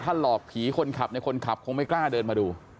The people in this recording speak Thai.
หลอกผีคนขับในคนขับคงไม่กล้าเดินมาดู